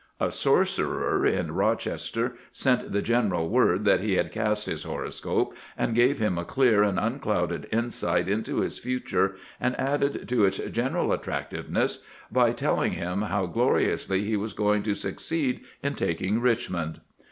A sorcerer in Rochester sent the gen eral word that he had cast his horoscope, and gave him a clear and unclouded insight into his future, and added to its general attractiveness by telling him how glori ously he was going to succeed in taking Richmond.